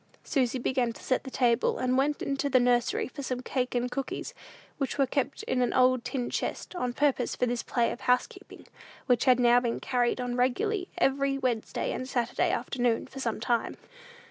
Susy began to set the table, and went into the nursery for some cake and cookies, which were kept in an old tin chest, on purpose for this play of housekeeping, which had now been carried on regularly every Wednesday and Saturday afternoon, for some time.